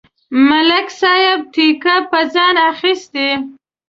ملک صاحب ټېکه په ځان اخستې.